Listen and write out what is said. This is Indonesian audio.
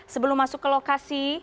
sebelum masuk ke lokasi